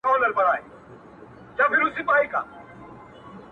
د زړو شرابو ډکي دوې پیالي دی,